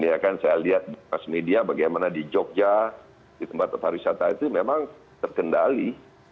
ya kan saya lihat media bagaimana di jogja di tempat pariwisata itu memang terkendali